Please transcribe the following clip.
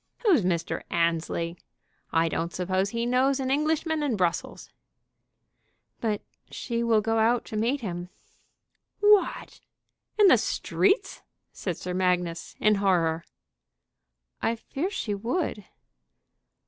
Who's Mr. Annesley? I don't suppose he knows an Englishman in Brussels." "But she will go out to meet him." "What! in the streets?" said Sir Magnus, in horror. "I fear she would."